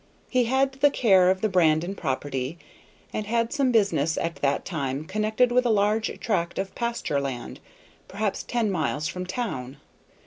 He had the care of the Brandon property, and had some business at that time connected with a large tract of pasture land perhaps ten miles from town.